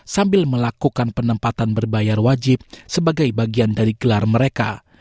sambil melakukan penempatan berbayar wajib sebagai bagian dari gelar mereka